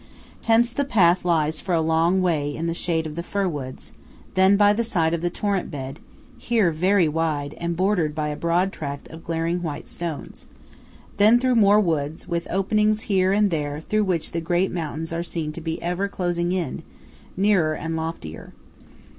Hence the path lies for a long way in the shade of the fir woods; then by the side of the torrent bed–here very wide, and bordered by a broad tract of glaring white stones; then through more woods, with openings here and there through which the great mountains are seen to be ever closing in, nearer and loftier.